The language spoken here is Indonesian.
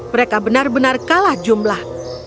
mereka benar benar kalah jumlah